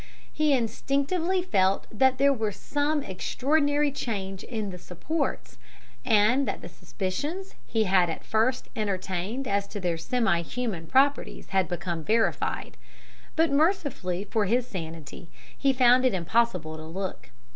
"He instinctively felt that there was some extraordinary change in the supports, and that the suspicions he had at first entertained as to their semi human properties had become verified; but, mercifully for his sanity, he found it impossible to look.